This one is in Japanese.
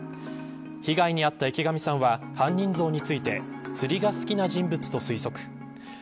被害に遭った池上さんは犯人像について釣りが好きな人物と推測。